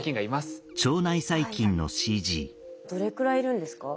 どれくらいいるんですか？